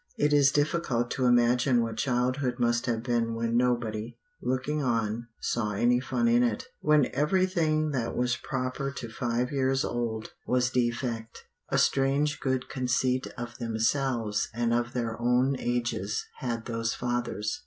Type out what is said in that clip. It is difficult to imagine what childhood must have been when nobody, looking on, saw any fun in it; when everything that was proper to five years old was defect. A strange good conceit of themselves and of their own ages had those fathers.